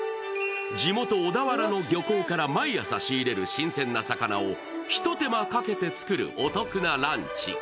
地元・小田原の漁港から毎朝仕入れる新鮮な魚をひと手間かけて作るお得なランチ。